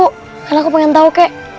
karena aku ingin tahu kek